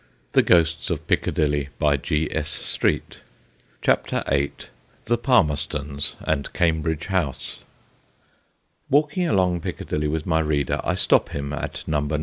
126 THE GHOSTS OF PICCADILLY CHAPTER VIII THE PALMERSTONS AND CAMBRIDGE HOUSE WALKING along Piccadilly with my reader, I stop him at No.